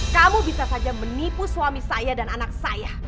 kamu bisa saja menipu suami saya dan anak saya